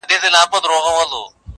جهاني د هغي شپې وېش دي را پرېښود.!